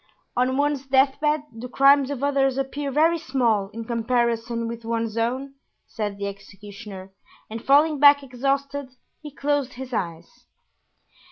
"On one's death bed the crimes of others appear very small in comparison with one's own," said the executioner; and falling back exhausted he closed his eyes.